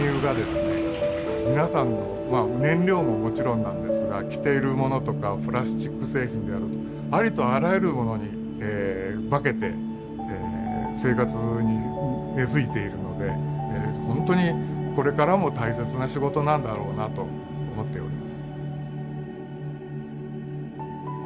皆さんの燃料ももちろんなんですが着ているものとかプラスチック製品であるとかありとあらゆるものに化けて生活に根づいているのでほんとにこれからも大切な仕事なんだろうなと思っております。